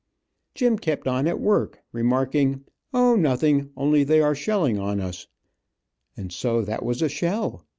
175] Jim kept on at work, remarking, O, nothing only they are a shellin on us. And so that was a shell.